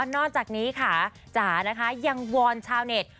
นอกจากนี้ค่ะจ๋านะคะยังวอนชาวเน็ต